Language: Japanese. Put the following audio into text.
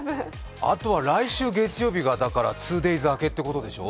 あとは来週月曜日が２デイズ明けってことでしょ。